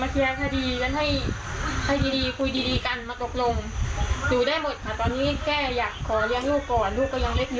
สงสารมาก